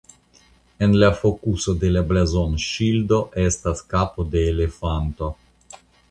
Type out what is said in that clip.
En la fokuso de la blazonŝildo estas kapo de elefanto.